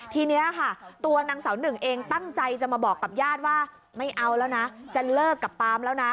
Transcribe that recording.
ทีนี้ค่ะตัวนางเสาหนึ่งเองตั้งใจจะมาบอกกับญาติว่าไม่เอาแล้วนะจะเลิกกับปามแล้วนะ